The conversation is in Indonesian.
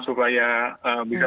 supaya bisa membangun komunikasi dan